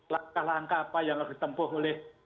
langkah langkah apa yang harus ditempuh oleh